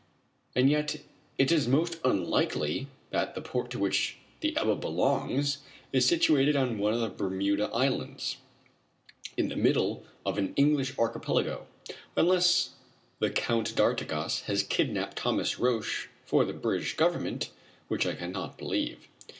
And yet it is most unlikely that the port to which the Ebba belongs is situated on one of the Bermuda islands, in the middle of an English archipelago unless the Count d'Artigas has kidnapped Thomas Roch for the British government, which I cannot believe.